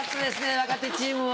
若手チームは。